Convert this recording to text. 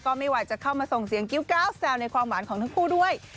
ก็ไม่ไหวจะเข้ามาส่งเสียงกิ้วก้าวแซวในความหวานของทั้งคู่ด้วย